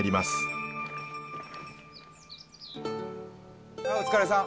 はいお疲れさん。